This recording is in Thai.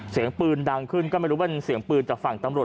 เสียงปืนดังขึ้นก็ไม่รู้เป็นเสียงปืนจากฝั่งตำรวจ